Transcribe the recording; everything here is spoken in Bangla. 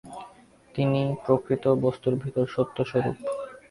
তিনিই প্রকৃত বস্তুর ভিতর সত্যস্বরূপ।